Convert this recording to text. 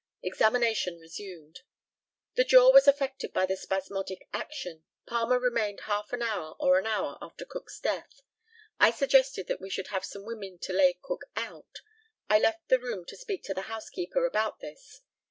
Examination resumed: The jaw was effected by the spasmodic action. Palmer remained half an hour or an hour after Cook's death. I suggested that we should have some women to lay Cook out. I left the room to speak to the housekeeper about this.